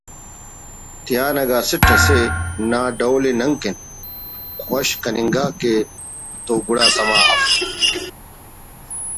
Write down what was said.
تیان اگہ اسٹ اسے نا ڈول ءِ نن کن خوش کننگاکہ تو گڑا سما اف